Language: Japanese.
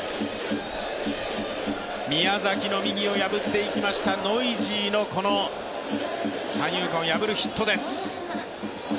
宮崎の右を破っていきましたノイジーの三遊間を破るヒットです。